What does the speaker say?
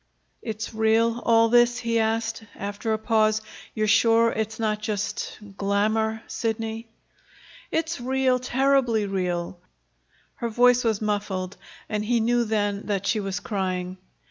"It's real, all this?" he asked after a pause. "You're sure it's not just glamour, Sidney?" "It's real terribly real." Her voice was muffled, and he knew then that she was crying.